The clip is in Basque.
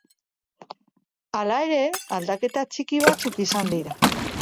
Hala ere, aldaketa txiki batzuk izan dira.